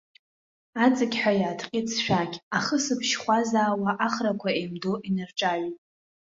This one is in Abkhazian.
Аҵықьҳәа иааҭҟьеит сшәақь, ахысбжь хәаа-заауа, ахрақәа еимдо инарҿаҩит.